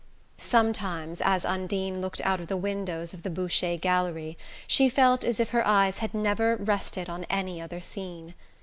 Sometimes, as Undine looked out of the windows of the Boucher gallery, she felt as if her eyes had never rested on any other scene.